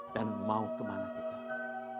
dan mau kemana kita